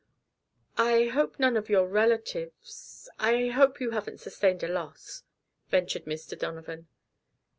"I hope none of your relatives I hope you haven't sustained a loss?" ventured Mr. Donovan.